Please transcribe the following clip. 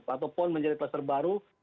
ataupun menjadi kluster baru